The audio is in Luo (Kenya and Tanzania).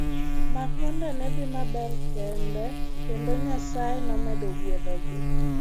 Makonde ne dhi maber kendo Nyasaye nomedo gwetho gi.